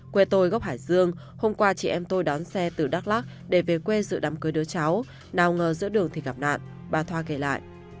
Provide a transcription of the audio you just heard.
quê tôi gốc hải dương hôm qua chị em tôi đón xe từ đắk lắc để về quê dự đám cưới đứa cháu nào ngờ giữa đường thì gặp nạn bà thoa kể lại